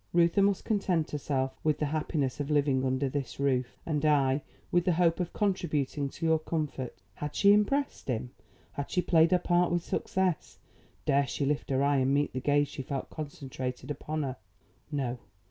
Reuther must content herself with the happiness of living under this roof; and I, with the hope of contributing to your comfort." Had she impressed him? Had she played her part with success? Dare she lift her eye and meet the gaze she felt concentrated upon her? No.